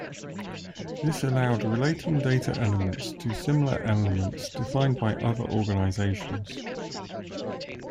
This allowed relating data elements to similar elements defined by other organizations.